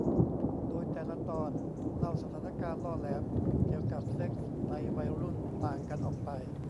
โดยแต่ละตอนเล่าสถานการณ์ล่อแหลมเกี่ยวกับเซ็กส์ในวัยรุ่นต่างกันออกไป